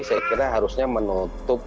saya kira harusnya menutup